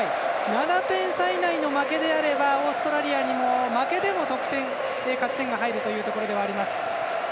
７点差以内の負けであればオーストラリアにも負けでも勝ち点が入るというところでもあります。